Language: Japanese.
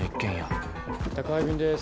宅配便です。